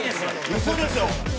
うそでしょ。